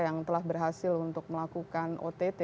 yang telah berhasil untuk melakukan ott